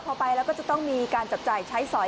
พอไปแล้วก็จะต้องมีการจับจ่ายใช้สอย